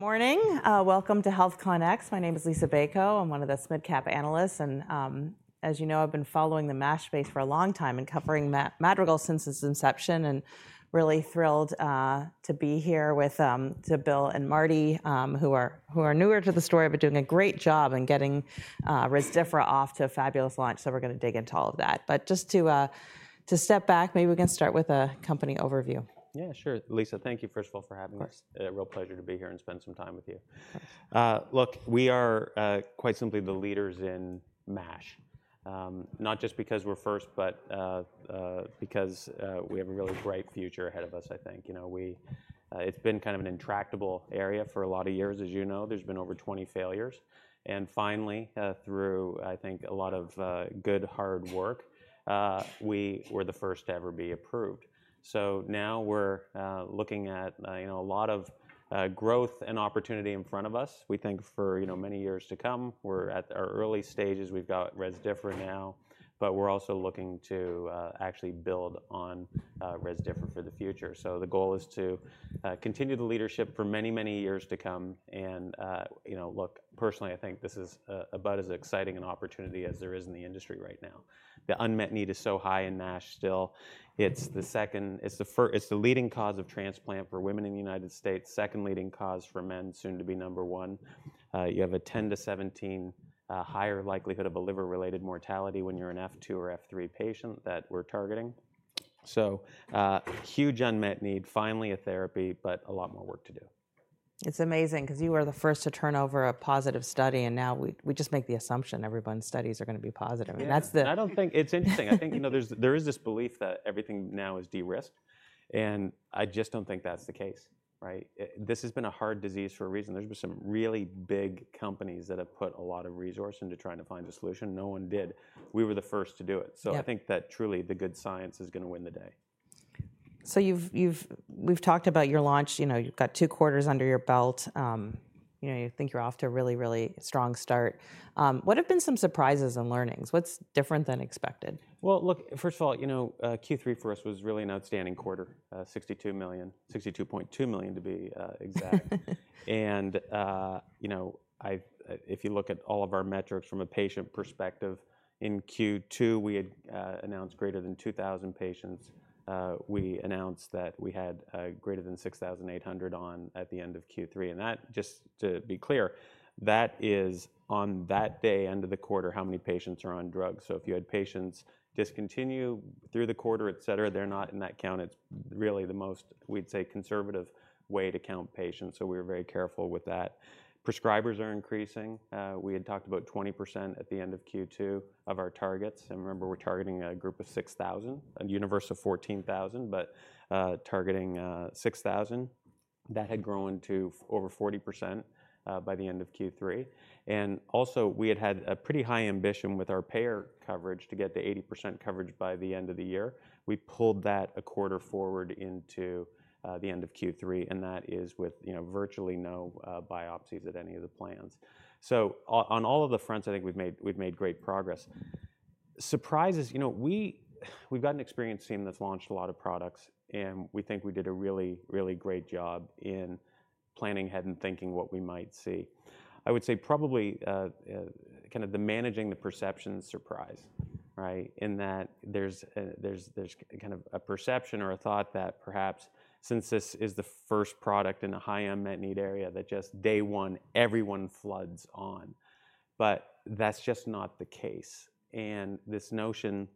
Morning. Welcome to HealthCONx. My name is Liisa Bayko. I'm one of the SMID cap analysts. And as you know, I've been following the MASH space for a long time and covering Madrigal since its inception. And really thrilled to be here with Bill and Mardi, who are newer to the story, but doing a great job in getting Rezdiffra off to a fabulous launch. So we're going to dig into all of that. But just to step back, maybe we can start with a company overview Yeah, sure. Liisa, thank you, first of all, for having us. Of course. Real pleasure to be here and spend some time with you. Of course. Look, we are quite simply the leaders in MASH, not just because we're first, but because we have a really bright future ahead of us, I think. It's been kind of an intractable area for a lot of years, as you know. There's been over 20 failures, and finally, through, I think, a lot of good, hard work, we were the first to ever be approved, so now we're looking at a lot of growth and opportunity in front of us. We think for many years to come. We're at our early stages. We've got Rezdiffra now, but we're also looking to actually build on Rezdiffra for the future, so the goal is to continue the leadership for many, many years to come, and look, personally, I think this is about as exciting an opportunity as there is in the industry right now. The unmet need is so high in MASH still. It's the leading cause of transplant for women in the United States, second leading cause for men soon to be number one. You have a 10 to 17 higher likelihood of a liver-related mortality when you're an F2 or F3 patient that we're targeting, so huge unmet need, finally a therapy, but a lot more work to do. It's amazing because you were the first to turn over a positive study, and now we just make the assumption everyone's studies are going to be positive. I don't think it's interesting. I think there is this belief that everything now is de-risked. And I just don't think that's the case. This has been a hard disease for a reason. There's been some really big companies that have put a lot of resources into trying to find a solution. No one did. We were the first to do it. So I think that truly the good science is going to win the day. So we've talked about your launch. You've got two quarters under your belt. You think you're off to a really, really strong start. What have been some surprises and learnings? What's different than expected? Look, first of all, Q3 for us was really an outstanding quarter, $62 million, $62.2 million to be exact. And if you look at all of our metrics from a patient perspective, in Q2, we had announced greater than 2,000 patients. We announced that we had greater than 6,800 on at the end of Q3. And just to be clear, that is on that day end of the quarter how many patients are on drugs. So if you had patients discontinue through the quarter, et cetera, they're not in that count. It's really the most, we'd say, conservative way to count patients. So we were very careful with that. Prescribers are increasing. We had talked about 20% at the end of Q2 of our targets. And remember, we're targeting a group of 6,000, a universe of 14,000, but targeting 6,000. That had grown to over 40% by the end of Q3. And also, we had had a pretty high ambition with our payer coverage to get to 80% coverage by the end of the year. We pulled that a quarter forward into the end of Q3. And that is with virtually no biopsies at any of the plans. So on all of the fronts, I think we've made great progress. Surprises, we've gotten experience seeing this launched a lot of products. And we think we did a really, really great job in planning ahead and thinking what we might see. I would say probably kind of the managing the perception surprise, in that there's kind of a perception or a thought that perhaps since this is the first product in a high unmet need area that just day one, everyone floods on. But that's just not the case. And this notion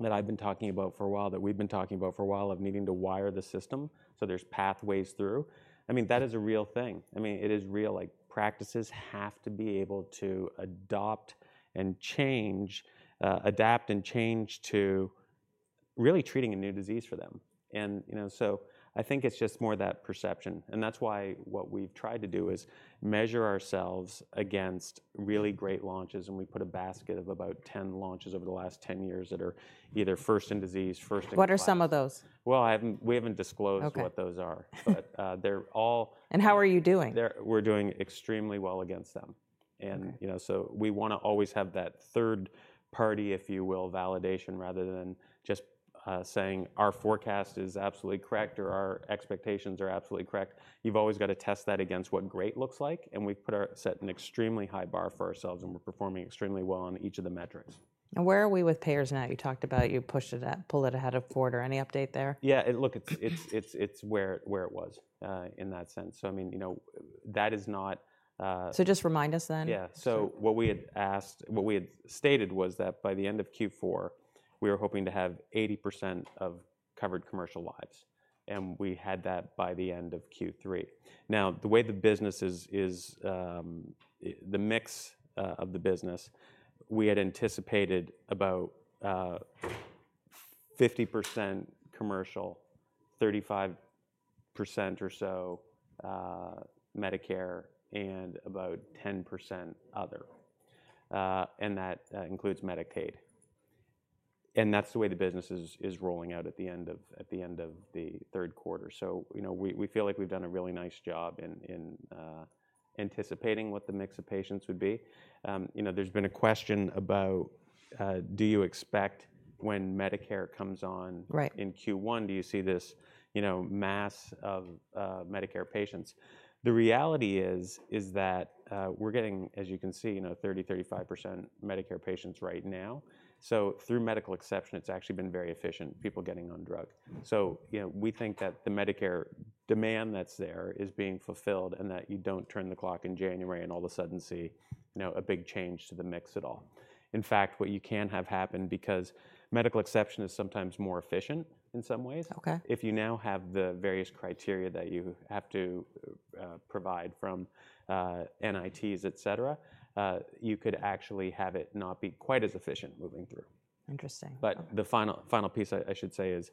that I've been talking about for a while, that we've been talking about for a while of needing to wire the system so there's pathways through, I mean, that is a real thing. I mean, it is real. Practices have to be able to adopt and change, adapt and change to really treating a new disease for them. And so I think it's just more that perception. And that's why what we've tried to do is measure ourselves against really great launches. And we put a basket of about 10 launches over the last 10 years that are either first in disease, first in— What are some of those? Well, we haven't disclosed what those are. But they're all. How are you doing? We're doing extremely well against them. And so we want to always have that third party, if you will, validation rather than just saying our forecast is absolutely correct or our expectations are absolutely correct. You've always got to test that against what great looks like. And we've set an extremely high bar for ourselves. And we're performing extremely well on each of the metrics. Where are we with payers now? You talked about you pushed it out, pulled it ahead of quarter. Any update there? Yeah. Look, it's where it was in that sense. So I mean, that is not. So, just remind us then. Yeah. So what we had stated was that by the end of Q4, we were hoping to have 80% of covered commercial lives. And we had that by the end of Q3. Now, the way the business is, the mix of the business, we had anticipated about 50% commercial, 35% or so Medicare, and about 10% other. And that includes Medicaid. And that's the way the business is rolling out at the end of the third quarter. So we feel like we've done a really nice job in anticipating what the mix of patients would be. There's been a question about, do you expect when Medicare comes on in Q1, do you see this mass of Medicare patients? The reality is that we're getting, as you can see, 30%, 35% Medicare patients right now. So through medical exception, it's actually been very efficient, people getting on drug. So we think that the Medicare demand that's there is being fulfilled and that you don't turn the clock in January and all of a sudden see a big change to the mix at all. In fact, what you can have happen because medical exception is sometimes more efficient in some ways. If you now have the various criteria that you have to provide from NITs, et cetera, you could actually have it not be quite as efficient moving through. Interesting. But the final piece I should say is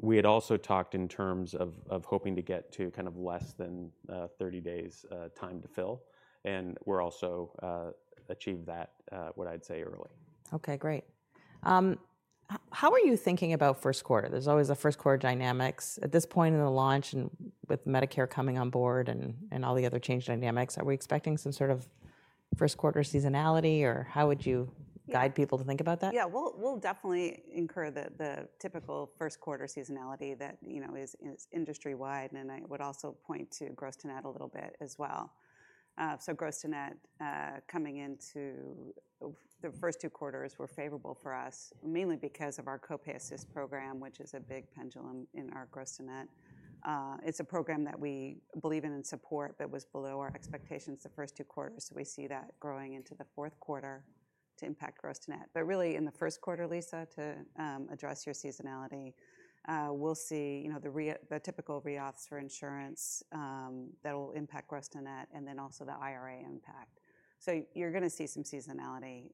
we had also talked in terms of hoping to get to kind of less than 30 days time to fill. And we're also achieved that, what I'd say, early. OK, great. How are you thinking about first quarter? There's always a first quarter dynamics. At this point in the launch and with Medicare coming on board and all the other change dynamics, are we expecting some sort of first quarter seasonality? Or how would you guide people to think about that? Yeah, we'll definitely incur the typical first quarter seasonality that is industry-wide, and I would also point to gross to net a little bit as well, so gross to net coming into the first two quarters were favorable for us, mainly because of our co-pay assist program, which is a big pendulum in our gross to net. It's a program that we believe in and support, but was below our expectations the first two quarters, so we see that growing into the fourth quarter to impact gross to net, but really in the first quarter, Liisa, to address your seasonality, we'll see the typical re-auths for insurance that will impact gross to net and then also the IRA impact, so you're going to see some seasonality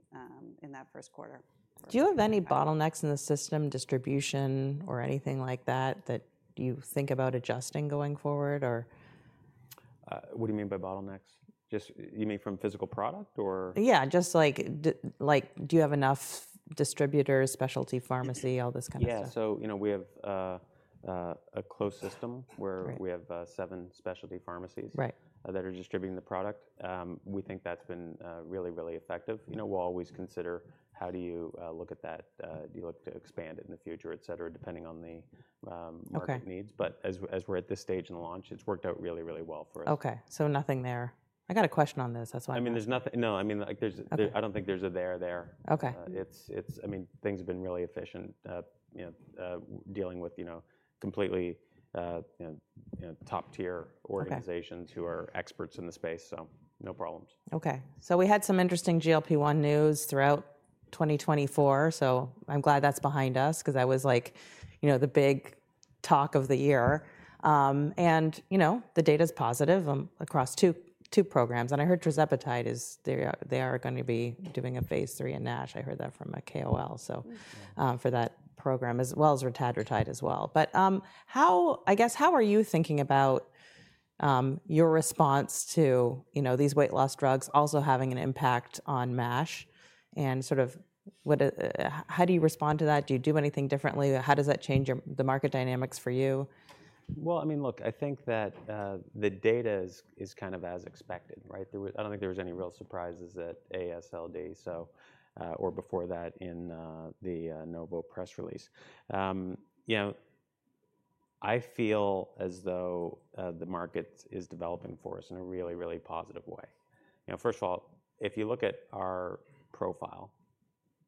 in that first quarter. Do you have any bottlenecks in the system distribution or anything like that that you think about adjusting going forward? What do you mean by bottlenecks? Just you mean from physical product or? Yeah, just like do you have enough distributors, specialty pharmacy, all this kind of stuff? Yeah. So we have a closed system where we have seven specialty pharmacies that are distributing the product. We think that's been really, really effective. We'll always consider how do you look at that. Do you look to expand it in the future, et cetera, depending on the market needs. But as we're at this stage in the launch, it's worked out really, really well for us. OK, so nothing there. I got a question on this. That's why I'm asking. I mean, there's nothing. No, I mean, I don't think there's a there there. I mean, things have been really efficient dealing with completely top-tier organizations who are experts in the space. So no problems. OK, so we had some interesting GLP-1 news throughout 2024, so I'm glad that's behind us because that was like the big talk of the year, and the data is positive across two programs, and I heard tirzepatide they are going to be doing a phase III in NASH. I heard that from a KOL for that program, as well as tirzepatide as well, but I guess how are you thinking about your response to these weight loss drugs also having an impact on MASH, and sort of how do you respond to that? Do you do anything differently? How does that change the market dynamics for you? Well, I mean, look, I think that the data is kind of as expected. I don't think there was any real surprises at AASLD or before that in the Novo press release. I feel as though the market is developing for us in a really, really positive way. First of all, if you look at our profile,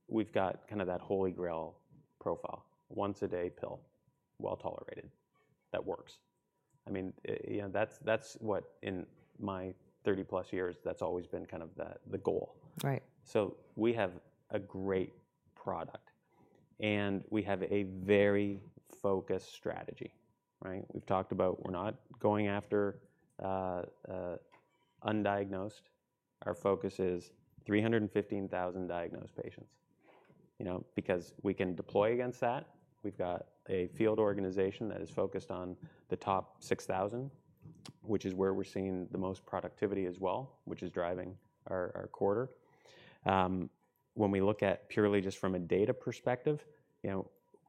we've got kind of that holy grail profile, once-a-day pill, well tolerated, that works. I mean, that's what in my 30+ years, that's always been kind of the goal. So we have a great product. And we have a very focused strategy. We've talked about we're not going after undiagnosed. Our focus is 315,000 diagnosed patients. Because we can deploy against that, we've got a field organization that is focused on the top 6,000, which is where we're seeing the most productivity as well, which is driving our quarter. When we look at purely just from a data perspective,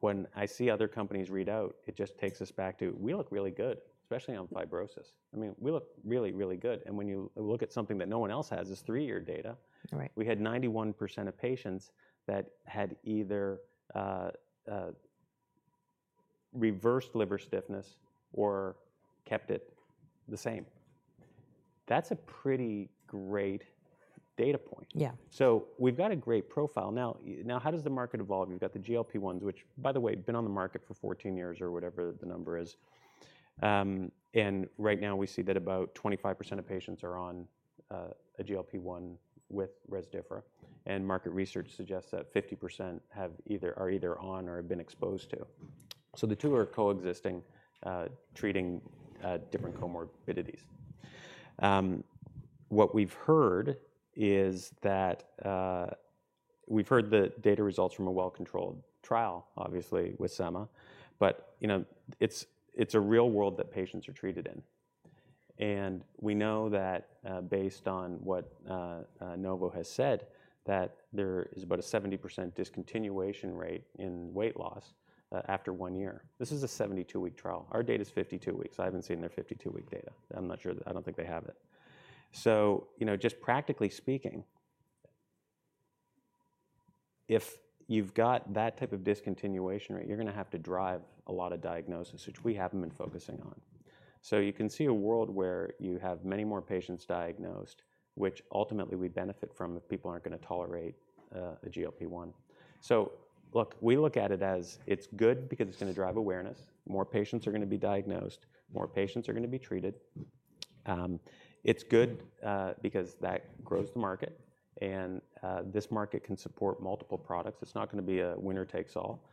when I see other companies read out, it just takes us back to we look really good, especially on fibrosis. I mean, we look really, really good. And when you look at something that no one else has is three-year data. We had 91% of patients that had either reversed liver stiffness or kept it the same. That's a pretty great data point. Yeah, so we've got a great profile. Now, how does the market evolve? You've got the GLP-1s, which, by the way, have been on the market for 14 years or whatever the number is. And right now, we see that about 25% of patients are on a GLP-1 with Rezdiffra. And market research suggests that 50% are either on or have been exposed to. So the two are coexisting, treating different comorbidities. What we've heard is that we've heard the data results from a well-controlled trial, obviously, with sema, but it's a real world that patients are treated in, and we know that based on what Novo has said, that there is about a 70% discontinuation rate in weight loss after one year. This is a 72-week trial. Our data is 52 weeks. I haven't seen their 52-week data. I'm not sure. I don't think they have it, so just practically speaking, if you've got that type of discontinuation, you're going to have to drive a lot of diagnosis, which we haven't been focusing on, so you can see a world where you have many more patients diagnosed, which ultimately we'd benefit from if people aren't going to tolerate a GLP-1. So look, we look at it as it's good because it's going to drive awareness. More patients are going to be diagnosed. More patients are going to be treated. It's good because that grows the market, and this market can support multiple products. It's not going to be a winner takes all.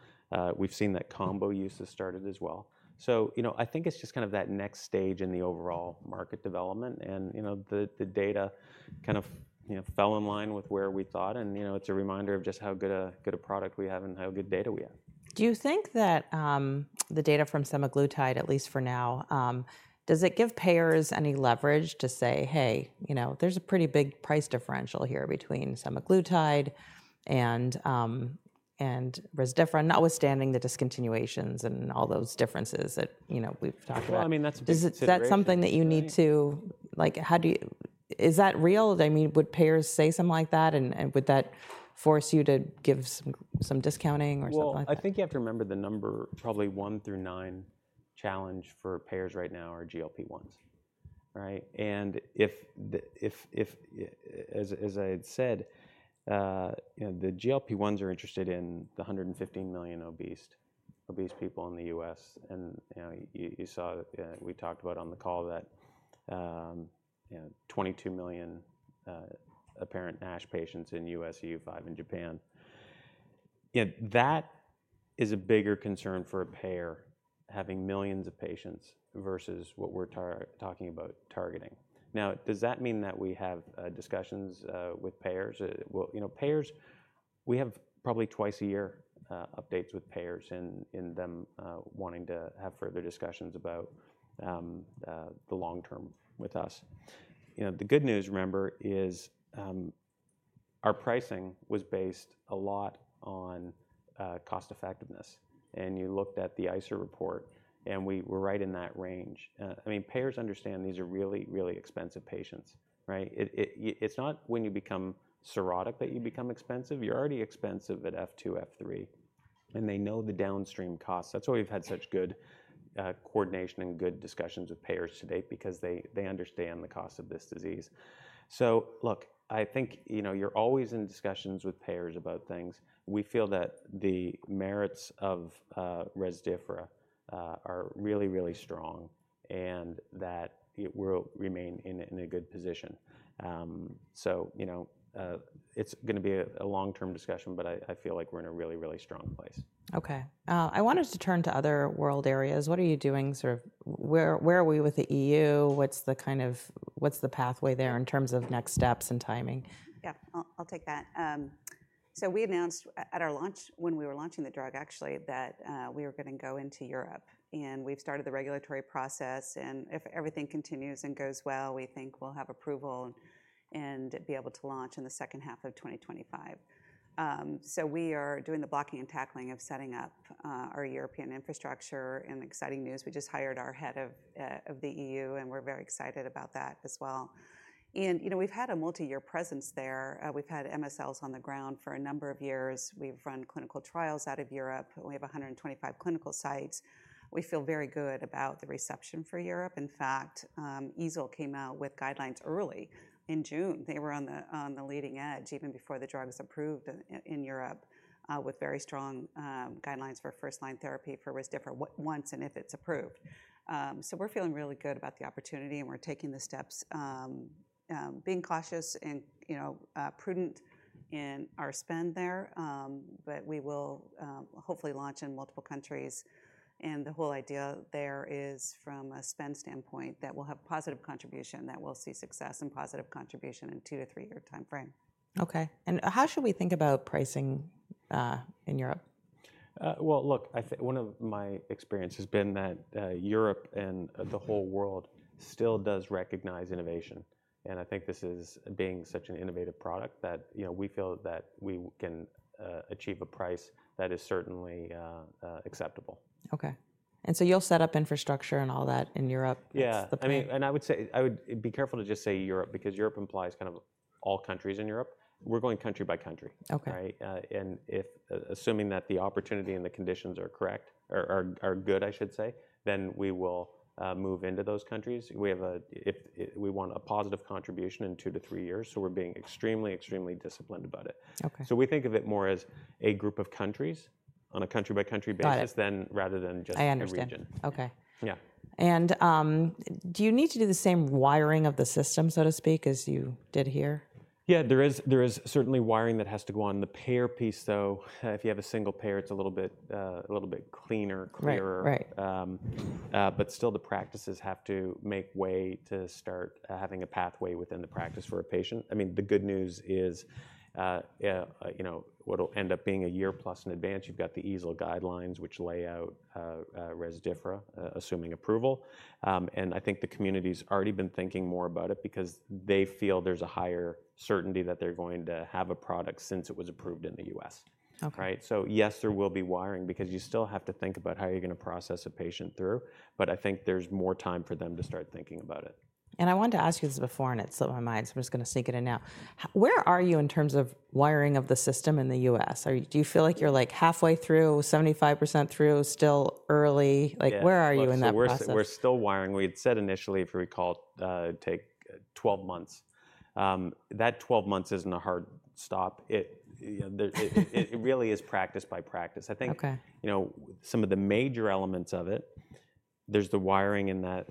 We've seen that combo use has started as well, so I think it's just kind of that next stage in the overall market development, and the data kind of fell in line with where we thought, and it's a reminder of just how good a product we have and how good data we have. Do you think that the data from semaglutide, at least for now, does it give payers any leverage to say, hey, there's a pretty big price differential here between semaglutide and Rezdiffra, notwithstanding the discontinuations and all those differences that we've talked about? Is that something that you need to, is that real? I mean, would payers say something like that? And would that force you to give some discounting or something like that? I think you have to remember the number, probably one through nine challenge for payers right now are GLP-1s. As I had said, the GLP-1s are interested in the 115 million obese people in the U.S. You saw we talked about on the call that 22 million apparent NASH patients in U.S., E.U., and Japan. That is a bigger concern for a payer having millions of patients versus what we're talking about targeting. Now, does that mean that we have discussions with payers? We have probably twice a year updates with payers and them wanting to have further discussions about the long term with us. The good news, remember, is our pricing was based a lot on cost effectiveness. You looked at the ICER report. We were right in that range. I mean, payers understand these are really, really expensive patients. It's not when you become cirrhotic that you become expensive. You're already expensive at F2, F3. And they know the downstream costs. That's why we've had such good coordination and good discussions with payers today because they understand the cost of this disease. So look, I think you're always in discussions with payers about things. We feel that the merits of Rezdiffra are really, really strong and that we'll remain in a good position. So it's going to be a long-term discussion. But I feel like we're in a really, really strong place. OK. I want us to turn to other world areas. What are you doing? Sort of where are we with the EU? What's the kind of pathway there in terms of next steps and timing? Yeah, I'll take that. So we announced at our launch when we were launching the drug, actually, that we were going to go into Europe. And we've started the regulatory process. And if everything continues and goes well, we think we'll have approval and be able to launch in the second half of 2025. So we are doing the blocking and tackling of setting up our European infrastructure. And exciting news, we just hired our head of the EU. And we're very excited about that as well. And we've had a multi-year presence there. We've had MSLs on the ground for a number of years. We've run clinical trials out of Europe. We have 125 clinical sites. We feel very good about the reception for Europe. In fact, EASL came out with guidelines early in June. They were on the leading edge even before the drug was approved in Europe with very strong guidelines for first-line therapy for Rezdiffra once and if it's approved. So we're feeling really good about the opportunity. And we're taking the steps, being cautious and prudent in our spend there. But we will hopefully launch in multiple countries. And the whole idea there is from a spend standpoint that we'll have positive contribution, that we'll see success and positive contribution in a two to three-year time frame. OK, and how should we think about pricing in Europe? Well, look, one of my experiences has been that Europe and the whole world still does recognize innovation. And I think this is being such an innovative product that we feel that we can achieve a price that is certainly acceptable. OK. And so you'll set up infrastructure and all that in Europe? Yeah. And I would be careful to just say Europe because Europe implies kind of all countries in Europe. We're going country by country. And assuming that the opportunity and the conditions are correct or good, I should say, then we will move into those countries. We want a positive contribution in two to three years. So we're being extremely, extremely disciplined about it. So we think of it more as a group of countries on a country-by-country basis rather than just a region. I understand. OK. And do you need to do the same wiring of the system, so to speak, as you did here? Yeah, there is certainly wiring that has to go on. The payer piece, though, if you have a single payer, it's a little bit cleaner, clearer. But still, the practices have to make way to start having a pathway within the practice for a patient. I mean, the good news is what will end up being a year plus in advance, you've got the EASL guidelines, which lay out Rezdiffra assuming approval. And I think the community has already been thinking more about it because they feel there's a higher certainty that they're going to have a product since it was approved in the U.S. So yes, there will be wiring because you still have to think about how you're going to process a patient through. But I think there's more time for them to start thinking about it. I wanted to ask you this before, and it slipped my mind, so I'm just going to sneak it in now. Where are you in terms of wiring of the system in the U.S.? Do you feel like you're like halfway through, 75% through, still early? Where are you in that process? We're still wiring. We had said initially, if we recall, take 12 months. That 12 months isn't a hard stop. It really is practice by practice. I think some of the major elements of it, there's the wiring in that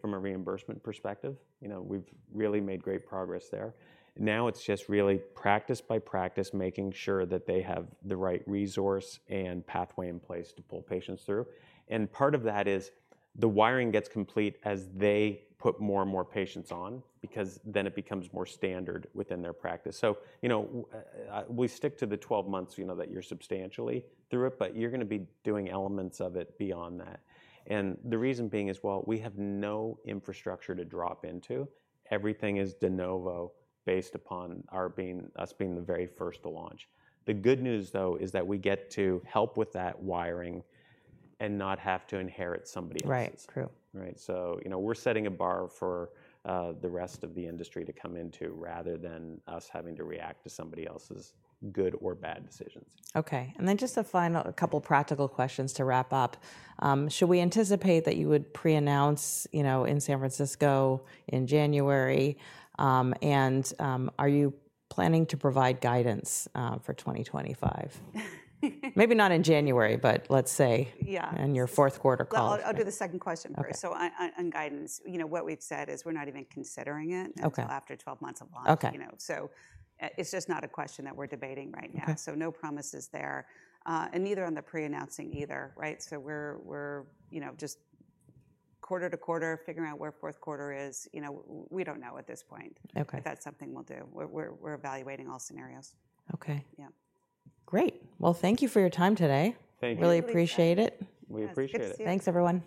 from a reimbursement perspective. We've really made great progress there. Now it's just really practice by practice, making sure that they have the right resource and pathway in place to pull patients through. And part of that is the wiring gets complete as they put more and more patients on because then it becomes more standard within their practice. So we stick to the 12 months that you're substantially through it. But you're going to be doing elements of it beyond that. And the reason being is, well, we have no infrastructure to drop into. Everything is de novo based upon us being the very first to launch. The good news, though, is that we get to help with that wiring and not have to inherit somebody else's. Right, true. We're setting a bar for the rest of the industry to come into rather than us having to react to somebody else's good or bad decisions. OK, and then just a final couple of practical questions to wrap up. Should we anticipate that you would pre-announce in San Francisco in January and are you planning to provide guidance for 2025? Maybe not in January, but let's say in your fourth quarter call. I'll do the second question first. So, on guidance, what we've said is we're not even considering it until after 12 months of launch. So it's just not a question that we're debating right now. So no promises there. And neither on the pre-announcing either. So we're just quarter to quarter figuring out where fourth quarter is. We don't know at this point. But that's something we'll do. We're evaluating all scenarios. OK. Yeah, great. Thank you for your time today. Thank you. Really appreciate it. We appreciate it. Thanks, everyone.